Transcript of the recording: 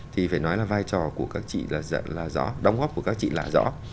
thì phải nói là vai trò của các chị là rõ đóng góp của các chị là rõ